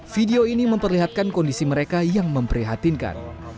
video ini memperlihatkan kondisi mereka yang memprihatinkan